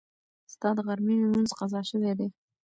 ستا د غرمې لمونځ قضا شوی دی.